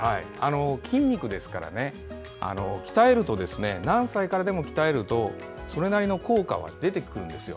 筋肉ですから何歳からでも鍛えるとそれなりの効果は出てきます。